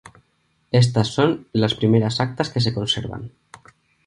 Éstas son las primeras actas que se conservan.